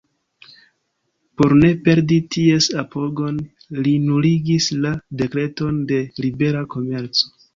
Por ne perdi ties apogon, li nuligis la dekreton de libera komerco.